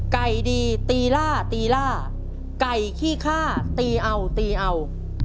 ไก่ดีตีล่าตีล่าไก่ขี้ฆ่าตีเอาตีเอา